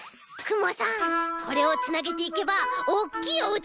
くもさんこれをつなげていけばおっきいおうちができるよ。